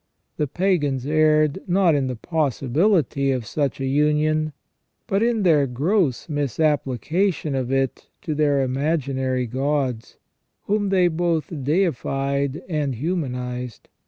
The pagans erred not in the possibility of such a union, but in their gross misapplication of it to their imaginary gods, whom they both deified and humanized.